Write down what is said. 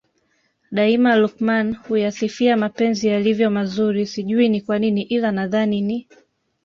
Daima Luqman huyasifia mapenzi yalivyo mazuri sijui ni kwanini ila nadhani ni